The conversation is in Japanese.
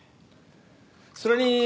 それに。